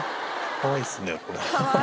かわいいですね、これ。